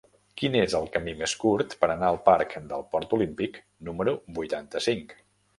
Quin és el camí més curt per anar al parc del Port Olímpic número vuitanta-cinc?